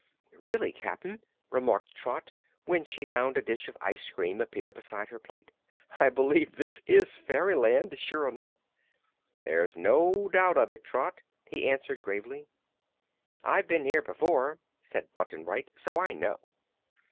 "Really, Cap'n," remarked Trot, when she found a dish of ice cream appear beside her plate, "I b'lieve this is fairyland, sure enough." "There's no doubt of it, Trot," he answered gravely "I've been here before," said Button Bright, "so I know."